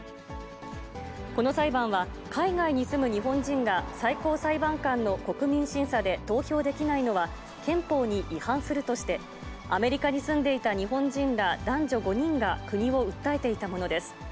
この裁判は、海外に住む日本人が最高裁判官の国民審査で投票できないのは、憲法に違反するとして、アメリカに住んでいた日本人ら男女５人が、国を訴えていたものです。